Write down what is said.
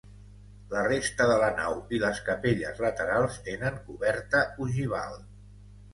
La resta de la nau i les capelles laterals tenen coberta ogival.